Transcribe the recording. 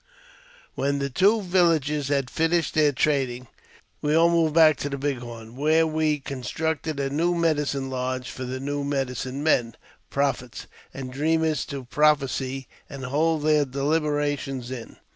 When the two villages had finished their trading, we all noved back to the Big Horn, where we constructed a new nedicine lodge for the medicine men, prophets, and dreamers prophesy and hold their deliberations in.